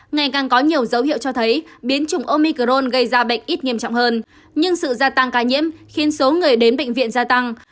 ngày càng có nhiều dấu hiệu cho thấy biến chủng omicron gây ra bệnh ít nghiêm trọng hơn nhưng sự gia tăng ca nhiễm khiến số người đến bệnh viện gia tăng